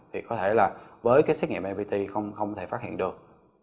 thì có thể là với cái xét nghiệm npt không thể phát hiện được